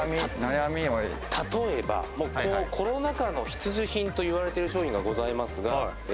例えばコロナ禍の必需品といわれている商品がございますが。